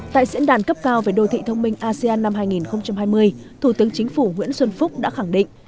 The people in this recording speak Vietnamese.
tại diễn đàn cấp cao về đô thị thông minh asean năm hai nghìn hai mươi thủ tướng chính phủ nguyễn xuân phúc đã khẳng định